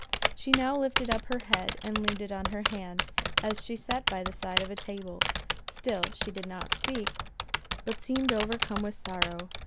She now lifted up her head, and leaned it on her hand, as she sat by the side of a table—still she did not speak, but seemed overcome with sorrow.